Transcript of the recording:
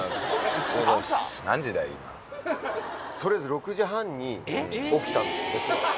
取りあえず６時半に起きたんです僕は。